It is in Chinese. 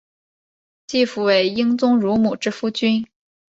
季福为英宗乳母之夫君。